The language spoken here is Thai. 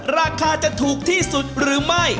ราคาจะถูกที่สุดหรือไม่